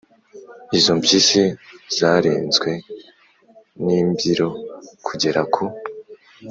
izo mpyisi zarenzwe n’imbyiro kugera ku